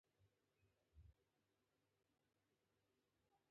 د جامو ډیزاینران شته؟